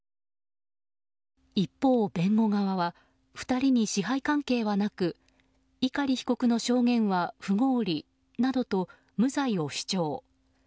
一方、弁護側は２人に支配関係はなく碇被告の証言は不合理などと無罪を主張。